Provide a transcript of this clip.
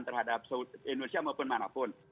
terhadap saudi indonesia maupun mana pun